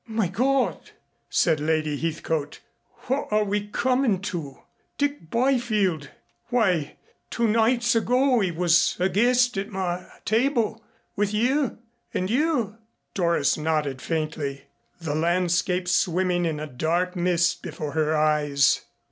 "My God!" said Lady Heathcote. "What are we coming to? Dick Byfield why, two nights ago he was a guest at my table with you, and you " Doris nodded faintly, the landscape swimming in a dark mist before her eyes.